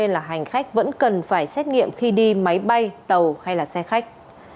và không cần phải xét nghiệm khi đi máy bay tàu hay xe khách